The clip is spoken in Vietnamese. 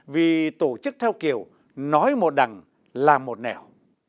vì tổ chức theo kiểu nói một đằng là một nẻo